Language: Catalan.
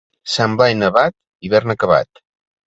Sant Blai nevat, hivern acabat.